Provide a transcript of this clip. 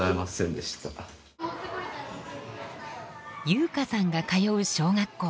悠加さんが通う小学校。